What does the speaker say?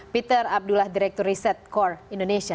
peter abdullah direktur riset core indonesia